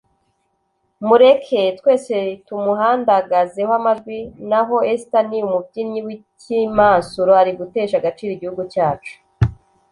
mureke twese tumuhandagazeho amajwi naho Esther ni umubyinnyi w’ikimansuro ari gutesha agaciro igihugu cyacu”